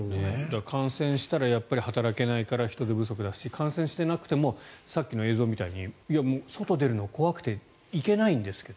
感染したら働けないから人手不足だし感染していなくてもさっきの映像みたいに外出るの怖くて行けないんですけど。